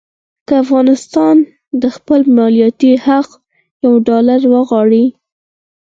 که افغانستان د خپل مالیاتي حق یو ډالر وغواړي.